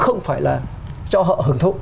không phải là cho họ hưởng thụ